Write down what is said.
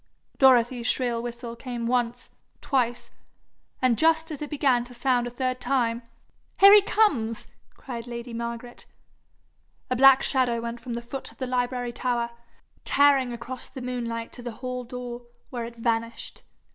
Dorothy's shrill whistle came once, twice and just as it began to sound a third time, 'Here he comes!' cried lady Margaret. A black shadow went from the foot of the library tower, tearing across the moonlight to the hall door, where it vanished.